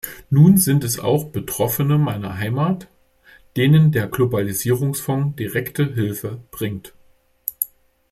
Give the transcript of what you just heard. Nun sind es auch Betroffene meiner Heimat, denen der Globalisierungsfonds direkte Hilfe bringt.